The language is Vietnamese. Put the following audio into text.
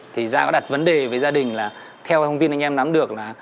thì dạ có đặt vấn đề với gia đình là theo thông tin anh em nắm được là